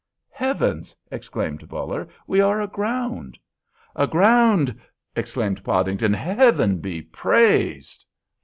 "Heavens!" exclaimed Buller, "we are aground." "Aground!" exclaimed Podington, "Heaven be praised!"